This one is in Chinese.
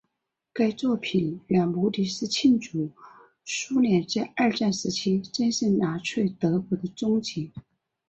该作品原目的是庆祝苏联在二战时期战胜纳粹德国的终结。